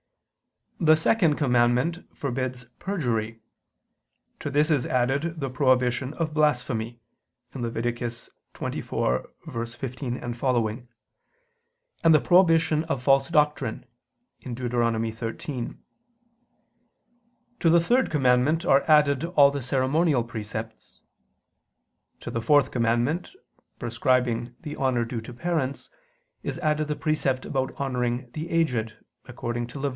The second commandment forbids perjury. To this is added the prohibition of blasphemy (Lev. 24:15, seqq) and the prohibition of false doctrine (Deut. 13). To the third commandment are added all the ceremonial precepts. To the fourth commandment prescribing the honor due to parents, is added the precept about honoring the aged, according to Lev.